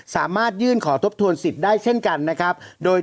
สามารถยื่นขอทบทวนสิทธิ์ได้เช่นกันนะครับโดย